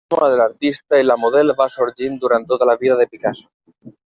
El tema de l'artista i la model va sorgint durant tota la vida de Picasso.